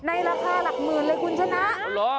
ในราคาหลักหมื่นเลยคุณชนะ